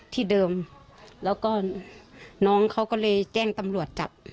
ที่เดิมแล้วก็น้องเขาก็เลยแจ้งตำรวจจับ